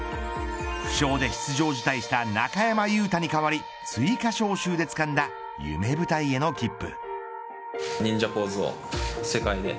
負傷で出場辞退した中山雄太に代わり追加招集で掴んだ夢舞台への切符。